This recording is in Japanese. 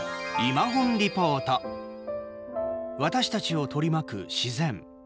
私たちをとりまく、自然。